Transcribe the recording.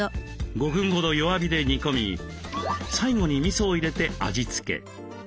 ５分ほど弱火で煮込み最後にみそを入れて味付け。